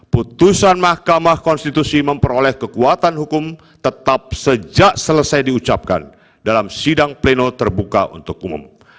putusan mahkamah konstitusi memperoleh kekuatan hukum tetap sejak selesai diucapkan dalam sidang pleno terbuka untuk umum